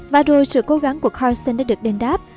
và rồi sự cố gắng của housen đã được đền đáp